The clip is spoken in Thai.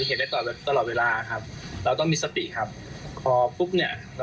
เราต้องมีสปีครับ